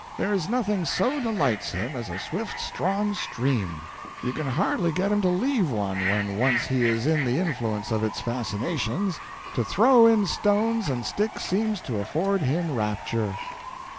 There is nothing so delights him as a swift, strong stream. You can hardly get him to leave one when once he is in the influence of its fascinations. To throw in stones and sticks seems to afford him rapture."